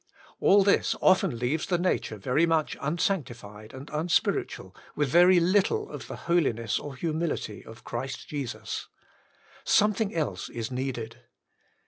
All this often leaves the nature very much unsanctified and unspiritual with very little of the holiness or humility of Christ Jesus: something else is needed.